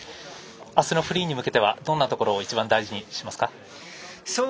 明日のフリーに向けてはどんなところを一番大事にしますか。